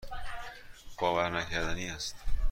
باورنکردنی است.